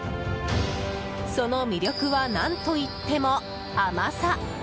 その魅力は何といっても甘さ。